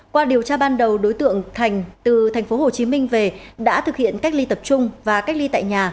qua điều tra ban đầu đối tượng thành từ tp hcm về đã thực hiện cách ly tập trung và cách ly tại nhà